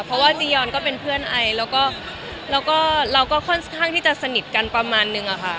เพราะว่าจียอนก็เป็นเพื่อนไอแล้วก็เราก็ค่อนข้างที่จะสนิทกันประมาณนึงอะค่ะ